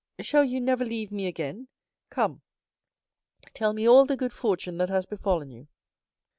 Shall you never leave me again? Come, tell me all the good fortune that has befallen you."